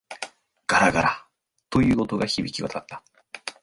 ガラガラ、という音が響き渡った。